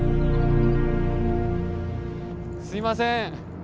すみません。